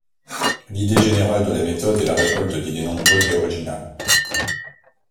L'idée générale de la méthode est la récolte d'idées nombreuses et originales.